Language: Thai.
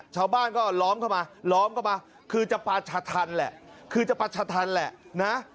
ชาวบ้านก็ล้อมเข้ามาคือจะปาชทันแหละ